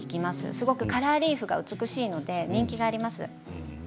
すごくカラーリーフが美しいので人気があります。